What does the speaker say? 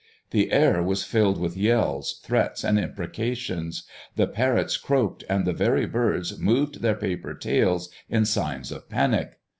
The air was filled with yells, threats, and imprecations. The parrots croaked and the very birds moved their paper tails in sign of panic.